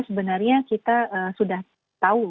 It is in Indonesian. sebenarnya kita sudah tahu